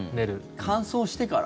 乾燥してから？